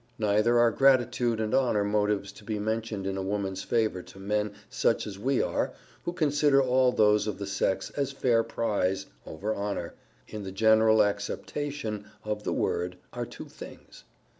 Neither are gratitude and honour motives to be mentioned in a woman's favour, to men such as we are, who consider all those of the sex as fair prize, over honour, in the general acceptation of the word, are two things.